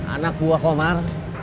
anak buah komar